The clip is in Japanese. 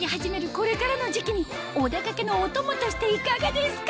これからの時期にお出掛けのお供としていかがですか？